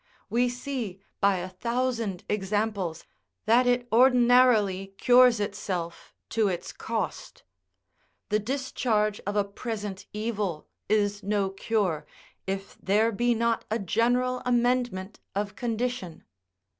We see by a thousand examples, that it ordinarily cures itself to its cost. The discharge of a present evil is no cure, if there be not a general amendment of condition.